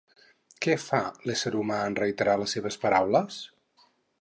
Què fa l'ésser humà en reiterar les seves paraules?